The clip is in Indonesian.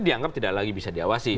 dianggap tidak lagi bisa diawasi